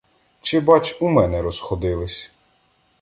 Чи бач, у мене розходились!